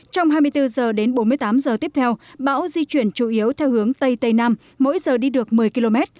trong hai mươi bốn h đến bốn mươi tám h tiếp theo bão di chuyển chủ yếu theo hướng tây tây nam mỗi giờ đi được một mươi km